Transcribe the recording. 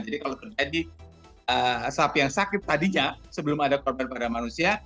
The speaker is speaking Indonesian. jadi kalau terjadi sapi yang sakit tadinya sebelum ada korban pada manusia